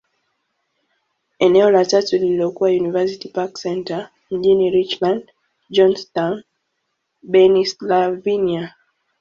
Eneo la tatu lililokuwa University Park Centre, mjini Richland, Johnstown, Pennyslvania.